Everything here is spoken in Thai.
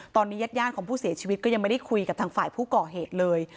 ตอนนี้ญาติของผู้เสียชีวิตก็ยังไม่ได้คุยกับทางฝ่ายผู้ก่อเหตุเลย